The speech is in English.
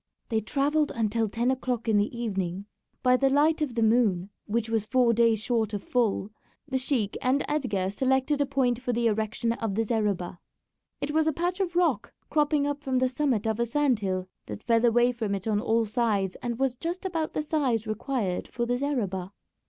They travelled until ten o'clock in the evening. By the light of the moon, which was four days short of full, the sheik and Edgar selected a point for the erection of the zareba. It was a patch of rock cropping up from the summit of a sand hill that fell away from it on all sides, and was just about the size required for the zareba.